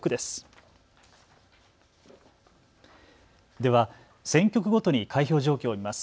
では、選挙区ごとに開票状況を見ます。